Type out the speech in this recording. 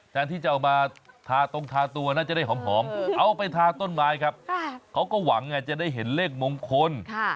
แทนที่จะเอามาทาตรงทาตัวน่าจะได้หอมเอาไปทาต้นไม้ครับเขาก็หวังไงจะได้เห็นเลขมงคล